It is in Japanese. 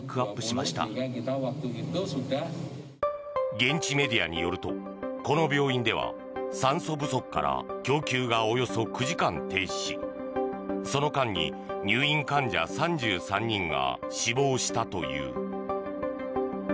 現地メディアによるとこの病院では酸素不足から供給がおよそ９時間停止しその間に入院患者３３人が死亡したという。